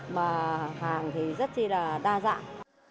mà hàng thì rất là đa dạng